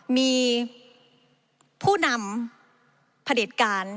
มีผู้นำผลิตการ